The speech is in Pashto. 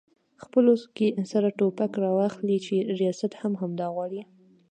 خپلو کې سره ټوپک راواخلي چې ریاست هم همدا غواړي؟